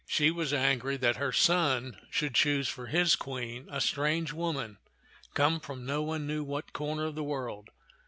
She was angry that her son should choose for his Queen a strange woman come from no one knew what corner of the world.